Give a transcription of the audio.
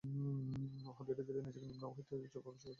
উহা ধীরে ধীরে নিজেকে নিম্ন অবস্থা হইতে উচ্চ ভাবে প্রকাশ করিতেছে।